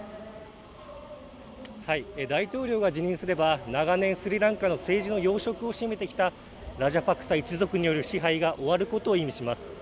大統領が辞任すれば長年スリランカの政治の要職を占めてきたラジャパクサ一族による支配が終わることを意味します。